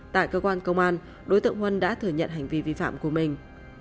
tại cơ quan công an đối tượng huân đã thừa nhận hành vi vi phạm của mình